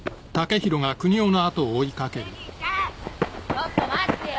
ちょっと待ってよ！